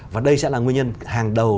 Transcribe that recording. và đây sẽ là nguyên nhân hàng đầu